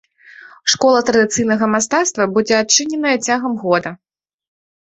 Школа традыцыйнага мастацтва будзе адчыненая цягам года.